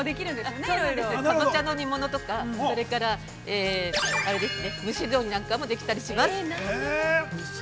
かぼちゃの煮物とか、それから、蒸し料理なんかもできたりします。